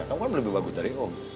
kamu kan lebih bagus dari home